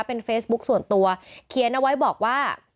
เป็นเฟซบุ๊คส่วนตัวเขียนเอาไว้บอกว่า